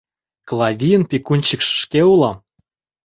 Клавийын пекунщикше шке улам!..